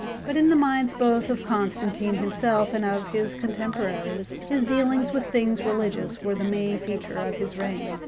But in the minds both of Constantine himself and of his contemporaries, his dealings with things religious were the main feature of his reign.